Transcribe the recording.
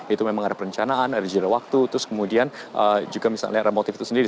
itu memang ada perencanaan ada jeda waktu terus kemudian juga misalnya ada motif itu sendiri